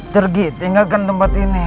tergi tinggalkan tempat ini